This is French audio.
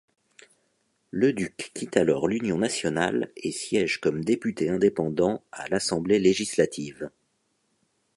Leduc quitte alors l'Union nationale et siège comme député indépendant à l'Assemblée législative.